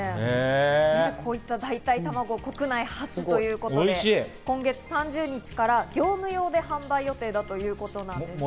代替卵、国内初ということで、今月３０日から業務用で販売予定だということなんです。